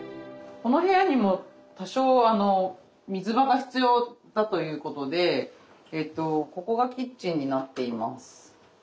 この部屋にも多少水場が必要だということでここがキッチンになっています。